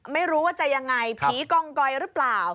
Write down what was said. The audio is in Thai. ไม่รู้ว่าจะยังไงผีกองกอยหรือเปล่า